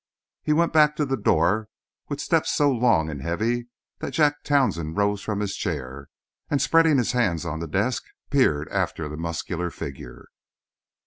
He went back to the door with steps so long and heavy that Jack Townsend rose from his chair, and spreading his hands on the desk, peered after the muscular figure.